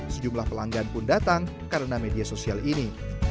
sejumlah pelanggan pun datang karena media sosial ini